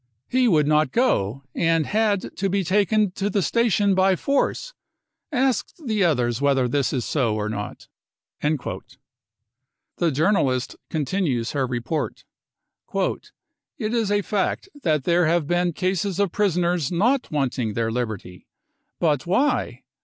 He would not go, and had to be taken to the station by force. Ask the others 1 whether this is so or not." 300 BROWN BOOK OF THE HITLER TERROR The journalist continues her report :" It is a fact that there have been cases of prisoners not wanting their liberty. But why